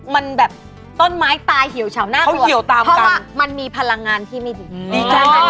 มันแบบต้นไม้ตายเหี่ยวเฉาหน้าเขาเหี่ยวตามเพราะว่ามันมีพลังงานที่ไม่ดี